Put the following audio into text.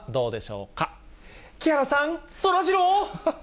木原さん、そらジロー。